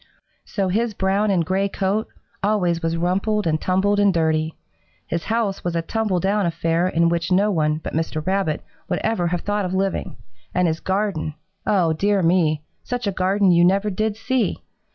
So his brown and gray coat always was rumpled and tumbled and dirty. His house was a tumble down affair in which no one but Mr. Rabbit would ever have thought of living, and his garden oh, dear me, such a garden you never did see!